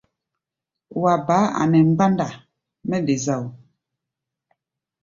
Wa baá a nɛ mgbánda mɛ́ de zao.